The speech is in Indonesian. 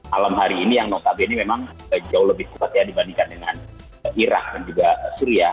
malam hari ini yang notabene memang jauh lebih kuat ya dibandingkan dengan irak dan juga syria